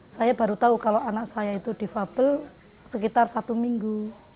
saya baru tahu kalau anak saya itu difabel sekitar satu minggu